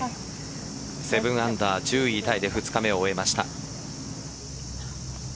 ７アンダー１０位タイで２日目を終えました。